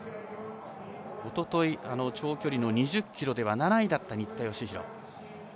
おととい長距離の２０ｋｍでは７位だった新田佳浩。